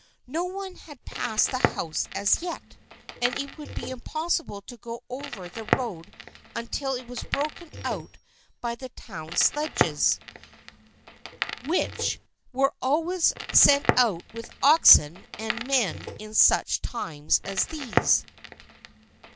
No one had passed the house as yet, and it would be impossible to go over the road un til it was broken out by the town sledges, which 146 THE FKIENDSHIP OF ANN*. were always sent out with oxen and men in such times as these.